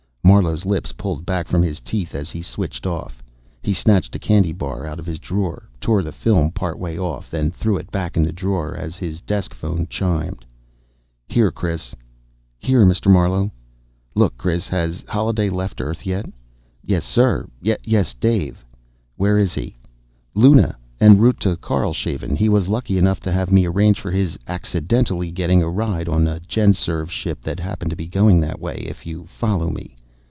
Marlowe's lips pulled back from his teeth as he switched off. He snatched a candy bar out of his drawer, tore the film part way off, then threw it back in the drawer as his desk phone chimed. "Here, Chris." "Here, Mr. Marlowe." "Look, Chris has Holliday left Earth yet?" "Yes, sir. Yes, Dave." "Where is he?" "Luna, en route to Karlshaven. He was lucky enough to have me arrange for his accidentally getting a ride on a GenSurv ship that happened to be going out that way, if you follow me."